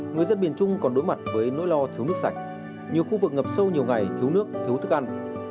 người dân miền trung còn đối mặt với nỗi lo thiếu nước sạch nhiều khu vực ngập sâu nhiều ngày thiếu nước thiếu thức ăn